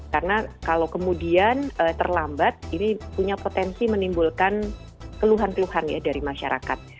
karena kalau kemudian terlambat ini punya potensi menimbulkan keluhan keluhan dari masyarakat